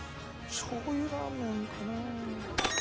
しょう油ラーメンかな？